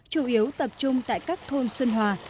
chủ yếu tập trung tại các thôn xuân hòa